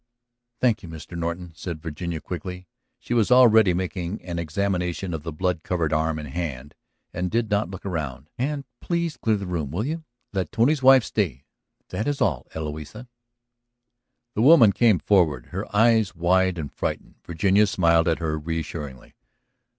"Thank you, Mr. Norton," said Virginia quickly. She was already making an examination of the blood covered arm and hand, and did not look around. "And please clear the room, will you? Let Tony's wife stay, that is all. Eloisa." The woman came forward, her eyes wide and frightened. Virginia smiled at her reassuringly.